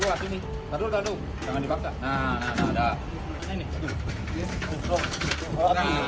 nah nah nah